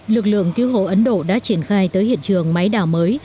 lực lượng cứu hộ ấn độ đã triển khai tới hiện trường máy đảo mới